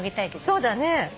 そうだね。